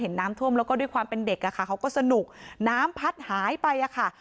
น้ำท่วมแล้วก็ด้วยความเป็นเด็กอะค่ะเขาก็สนุกน้ำพัดหายไปค่ะ